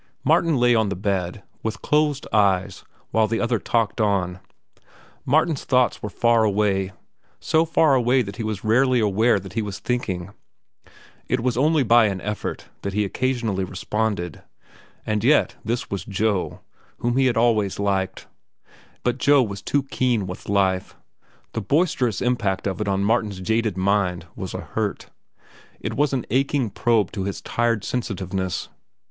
Martin lay on the bed, with closed eyes, while the other talked on. Martin's thoughts were far away—so far away that he was rarely aware that he was thinking. It was only by an effort that he occasionally responded. And yet this was Joe, whom he had always liked. But Joe was too keen with life. The boisterous impact of it on Martin's jaded mind was a hurt. It was an aching probe to his tired sensitiveness.